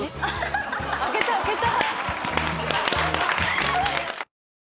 開けた開けた。